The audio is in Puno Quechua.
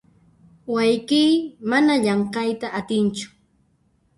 Wayqiy mana llamk'ayta atinchu.